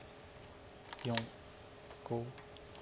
４５。